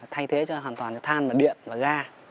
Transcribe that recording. thay thế cho hoàn toàn là than và điện và ga